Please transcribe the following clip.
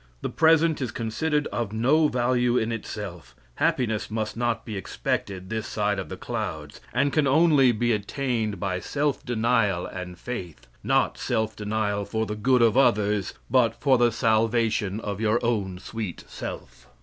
The present is considered of no value in itself. Happiness must not be expected this side of the clouds, and can only be attained by self denial and faith; not self denial for the good of others, but for the salvation of your own sweet self.